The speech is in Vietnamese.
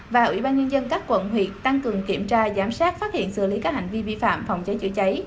và ủy ban nhân dân các quận huyện tăng cường kiểm tra giám sát phát hiện xử lý các hành vi vi phạm phòng cháy chữa cháy